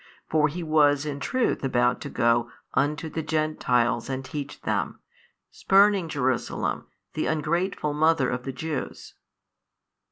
For He was in truth about to go unto the Gentiles and teach them, spurning Jerusalem the ungrateful mother of the Jews.